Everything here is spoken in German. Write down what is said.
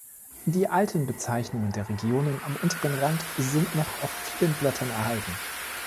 Die alten Bezeichnungen der Regionen am unteren Rand sind noch auf vielen Blättern erhalten.